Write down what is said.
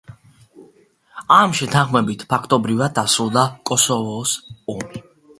ამ შეთანხმებით ფაქტობრივად დასრულდა კოსოვოს ომი.